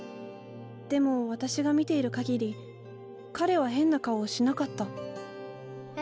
でも私が見ている限り彼は変な顔をしなかったえ？